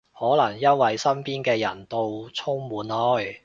可能因為身邊嘅人到充滿愛